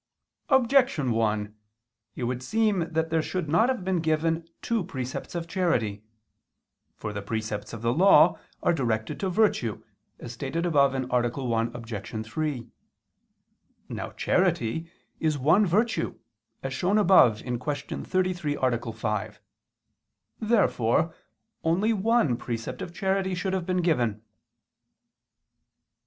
Objection 1: It would seem that there should not have been given two precepts of charity. For the precepts of the Law are directed to virtue, as stated above (A. 1, Obj. 3). Now charity is one virtue, as shown above (Q. 33, A. 5). Therefore only one precept of charity should have been given.